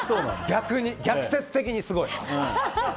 逆説的にすごい！